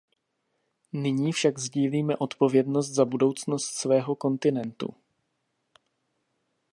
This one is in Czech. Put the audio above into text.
Nyní však sdílíme odpovědnost za budoucnost svého kontinentu.